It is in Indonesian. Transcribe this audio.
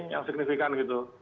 yang signifikan gitu